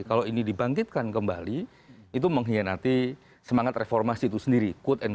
kalau ini dibangkitkan kembali itu mengkhianati semangat reformasi itu sendiri